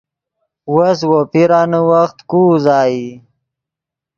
وس وو پیرانے وخت کو اوازئی